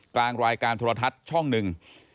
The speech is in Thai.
กลางรายการโทรทัศน์ช่องหนึ่ง